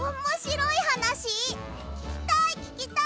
ききたいききたい！